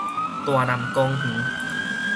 大湳公園